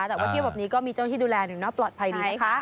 แต่ว่าเที่ยวแบบนี้ก็มีเจ้าหน้าที่ดูแลอย่างน้อยปลอดภัยดีนะคะ